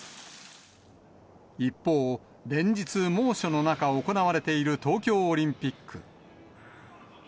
一方、連日猛暑の中、行われている東京オリンピック。